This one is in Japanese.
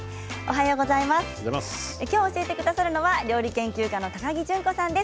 きょう教えてくださるのは料理研究家の高城順子さんです。